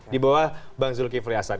di bawah bang zulkifli hasan